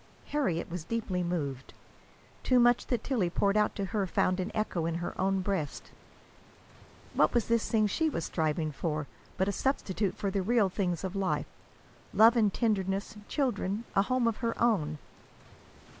Harriet was deeply moved. Too much that Tillie poured out to her found an echo in her own breast. What was this thing she was striving for but a substitute for the real things of life love and tenderness, children, a home of her own?